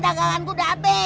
jagangan gue udah habis